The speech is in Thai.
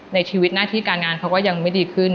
ในชีวิตหน้าที่การงานเขาก็ยังไม่ดีขึ้น